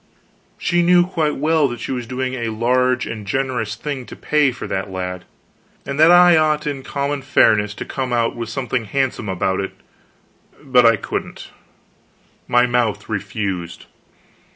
She knew quite well that she was doing a large and generous thing to pay for that lad, and that I ought in common fairness to come out with something handsome about it, but I couldn't my mouth refused.